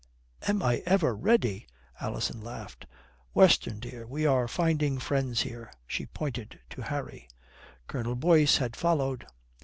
"Am I ever ready?" Alison laughed. "Weston, dear, we are finding friends here;" she pointed to Harry. Colonel Boyce had followed.